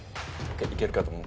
いけるかと思う。